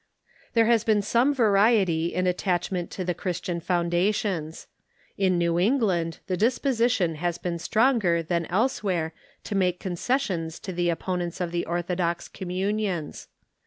There has been some variety in attachment to the Christian founda tions. In New England the disposition has been stronger than elsewhere to make concessions to the opponents of the ortho dox communions.